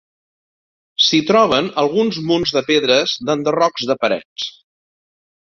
S'hi troben alguns munts de pedres d'enderrocs de parets.